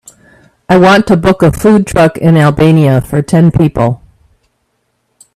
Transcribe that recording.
I want to book a food truck in Albania for ten people.